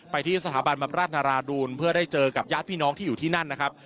ที่สถาบันบำราชนาราดูนเพื่อได้เจอกับญาติพี่น้องที่อยู่ที่นั่นนะครับ